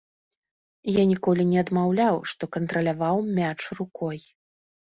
Я ніколі не адмаўляў, што кантраляваў мяч рукой.